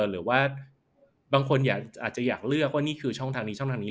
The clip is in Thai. หรือว่าบางคนอาจจะอยากเลือกว่านี่คือช่องทางนี้ช่องทางนี้